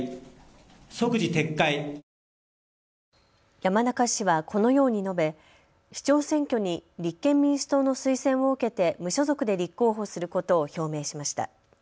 山中氏はこのように述べ、市長選挙に立憲民主党の推薦を受けて無所属で立候補することを表明しました。